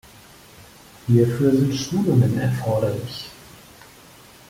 Hierfür sind Schulungen erforderlich.